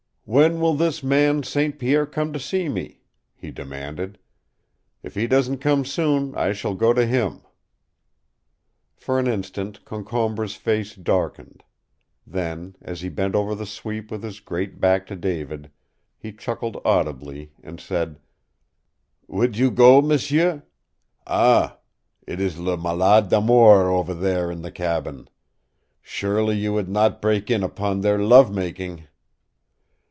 "When will this man St. Pierre come to see me?" he demanded. "If he doesn't come soon, I shall go to him." For an instant Concombre's face darkened. Then, as he bent over the sweep with his great back to David, he chuckled audibly, and said: "Would you go, m'sieu? Ah it is le malade d'amour over there in the cabin. Surely you would not break in upon their love making?"